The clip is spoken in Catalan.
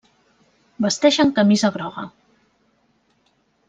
Vesteixen camisa groga.